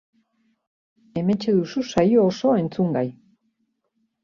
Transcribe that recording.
Hementxe duzu saio osoa entzungai!